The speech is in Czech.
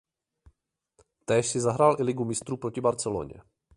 Též si zahrál i Ligu mistrů proti Barceloně.